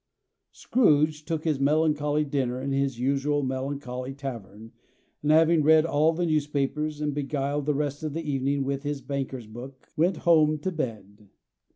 Scrooge took his melancholy dinner in his usual melancholy tavern; and having read all the newspapers, and beguiled the rest of the evening with his banker's book, went home to bed.